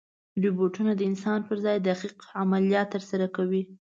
روبوټونه د انسان پر ځای دقیق عملیات ترسره کوي.